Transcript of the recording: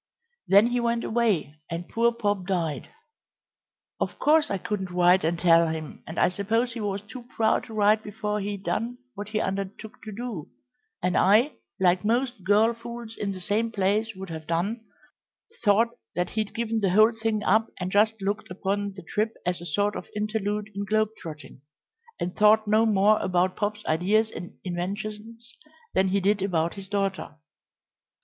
Then he went away, and poor Pop died. Of course I couldn't write and tell him, and I suppose he was too proud to write before he'd done what he undertook to do, and I, like most girl fools in the same place would have done, thought that he'd given the whole thing up and just looked upon the trip as a sort of interlude in globe trotting, and thought no more about Pop's ideas and inventions than he did about his daughter."